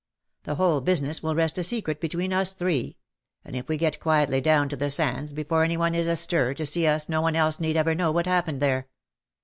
The whole business will rest a secret between us three ; and if we get quietly down to the sands before any one is astir to see us no one else need ever know what hap pened there.